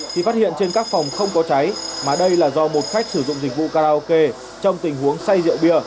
thì phát hiện trên các phòng không có cháy mà đây là do một khách sử dụng dịch vụ karaoke trong tình huống say rượu bia